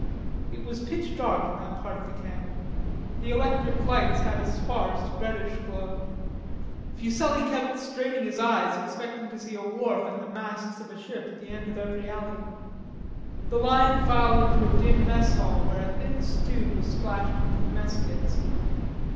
It was pitch dark in that part of the camp. The electric lights had a sparse reddish glow. Fuselli kept straining his eyes, expecting to see a wharf and the masts of a ship at the end of every alley. The line filed into a dim mess hall, where a thin stew was splashed into the mess kits.